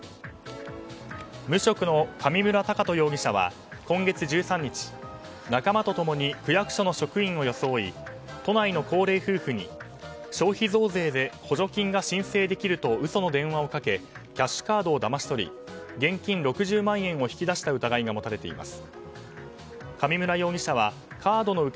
無職の上村隆翔容疑者は今月１３日仲間と共に区役所の職員を装い都内の高齢夫婦に消費増税で補助金が申請できると嘘の電話をかけキャッシュカードをだまし取り現金６０万円を引き出した疑いが持たれています。